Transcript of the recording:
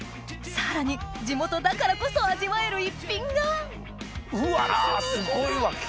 さらに地元だからこそ味わえる一品がうわすごいわ！